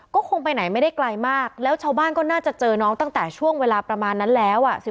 ก็คงไปไหนไม่ได้ไกลมากแล้วชาวบ้านก็น่าจะเจอน้องตั้งแต่ช่วงเวลาประมาณนั้นแล้ว